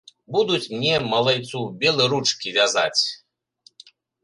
Будуць мне, малайцу, белы ручкі вязаць.